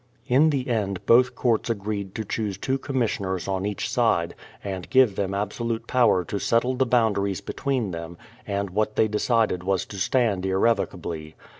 In the end both Courts agreed to choose two commis sioners on each side, and give them absolute power to settle the boundaries between them, and what they decided was to stand irrevocably.